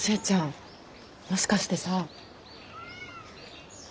もしかしてさ。